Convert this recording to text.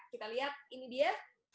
kita lihat ini dia